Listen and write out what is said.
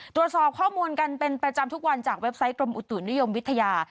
ตรวจสอบข้อมูลกันเป็นประจำทุกวันจากเว็บไซต์กรมอุตุนิยมวิทยา